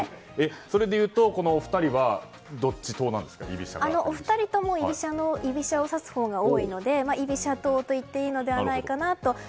それでいうとお二人はどちらとも居飛車を指すほうが多いので、居飛車といっていいのではないかと。